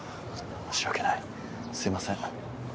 申し訳ないすいません